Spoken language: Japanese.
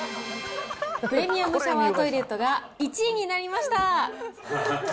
プレミアムシャワートイレットが１位になりました。